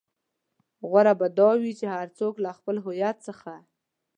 غوره به دا وي چې هر څوک له خپل هويت څخه.